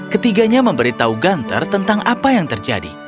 ketiganya memberitahu gunter tentang apa yang terjadi